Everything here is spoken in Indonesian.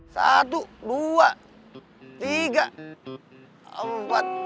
satu dua tiga empat